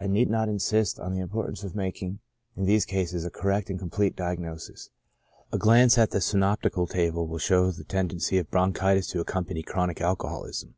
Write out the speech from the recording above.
I need not insist on the im 64 CHRONIC ALCOHOLISM. portance of making In these cases a correct and complete diagnosis. A glance at the synoptical table will show the tendency of bronchitis to accompany chronic alcoholism.